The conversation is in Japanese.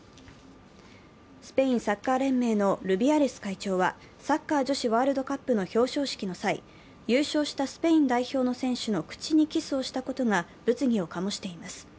スペインサッカー連盟のルビアレス会長はサッカー女子ワールドカップの表彰式の際、優勝したスペイン代表の選手の口にキスをしたことが物議を醸しています。